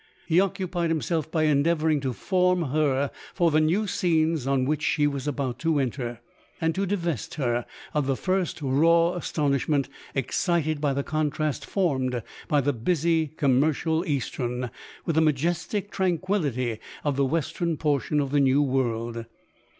He occupied himself by endeavouring to form her for the new scenes on winch she was about to enter, and to divest her of the first raw astonishment excited by the contrast formed by the busy, com mercial eastern, with the majestic tranquillity of the western portion of the new world.